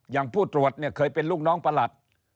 ผู้ตรวจเนี่ยเคยเป็นลูกน้องประหลัด